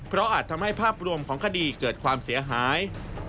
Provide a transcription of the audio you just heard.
เพราะอาจทำให้ภาพรวมของคดีเกิดความเสียหาย